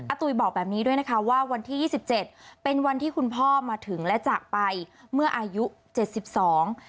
ตุ๋ยบอกแบบนี้ด้วยนะคะว่าวันที่ยี่สิบเจ็ดเป็นวันที่คุณพ่อมาถึงและจากไปเมื่ออายุเจ็ดสิบสอง